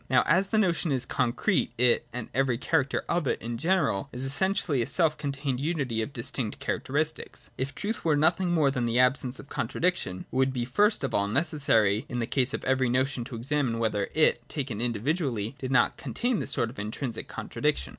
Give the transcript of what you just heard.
Now as the notion is concrete, it and every character of it in general is essentially a self contained unity of distinct characteristics. If truth then were nothing more than the absence of contradiction, it would be first of all necessary in the case of every notion to examine whether it, taken individually, did not contain this sort of intrinsic contradiction.